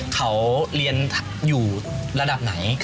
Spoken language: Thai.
เขาเรียนอยู่ระดับไหน